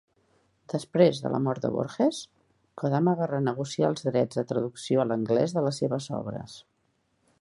Després de la mort de Borges, Kodama va renegociar els drets de traducció a l'anglès de les seves obres.